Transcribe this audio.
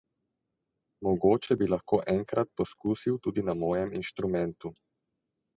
Mogoče bi lahko enkrat poskusil tudi na mojem inštrumentu.